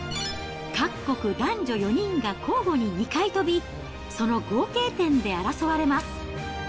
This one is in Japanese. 各国男女４人が交互に２回飛び、その合計点で争われます。